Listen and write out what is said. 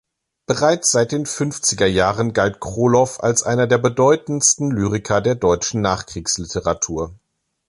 Bereits seit den Fünfzigerjahren galt Krolow als einer der bedeutendsten Lyriker der deutschen Nachkriegsliteratur.